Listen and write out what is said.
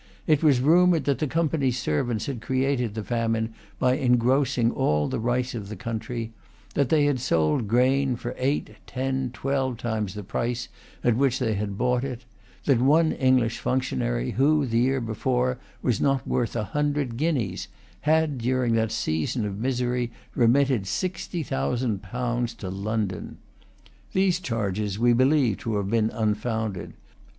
It was rumoured that the Company's servants had created the famine by engrossing all the rice of the country; that they had sold grain for eight, ten, twelve times the price at which they had bought it; that one English functionary who, the year before, was not worth a hundred guineas, had, during that season of misery, remitted sixty thousand pounds to London. These charges we believe to have been unfounded.